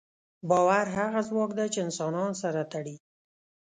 باور هغه ځواک دی، چې انسانان سره تړي.